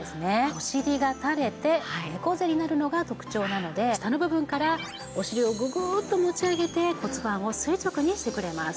お尻がたれて猫背になるのが特徴なので下の部分からお尻をググッと持ち上げて骨盤を垂直にしてくれます。